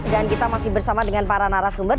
dan kita masih bersama dengan para narasumber